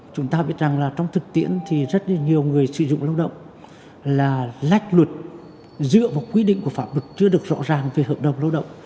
chúng ta biết rằng là trong thực tiễn thì rất là nhiều người sử dụng lao động là lách luật dựa vào quy định của pháp luật chưa được rõ ràng về hợp đồng lao động